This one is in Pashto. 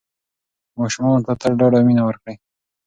ماشومانو ته تل ډاډ او مینه ورکړئ.